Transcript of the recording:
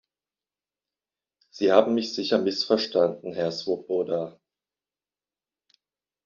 Sie haben mich sicher missverstanden, Herr Swoboda.